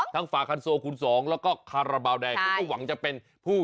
ฝาคันโซคูณ๒แล้วก็คาราบาลแดงเขาก็หวังจะเป็นผู้